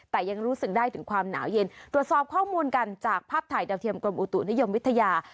แต่ยังรู้สึกได้ถึงความหนาวเย็นตรวจสอบข้อมูลกันจากภาพถ่ายดาวเทียมกรมอุตุนิยมวิทยา